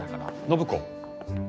暢子。